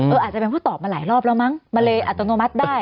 อาจจะเป็นเพราะตอบมาหลายรอบแล้วมั้งมันเลยอัตโนมัติได้